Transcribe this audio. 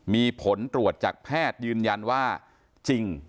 มีผลตรวจจากแพทย์ยืนยันว่าจริง